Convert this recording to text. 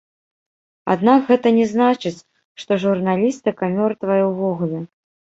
Аднак гэта не значыць, што журналістыка мёртвая ўвогуле.